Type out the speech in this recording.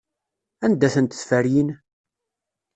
Anda-tent tferyin?